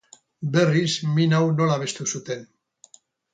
Berriz min hau nola abestu zuten.